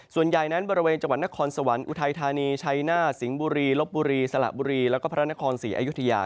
ส่วนใหญ่นั้นบริเวณจังหวัดนครสวรรค์อุทัยธานีชัยหน้าสิงห์บุรีลบบุรีสละบุรีแล้วก็พระนครศรีอยุธยา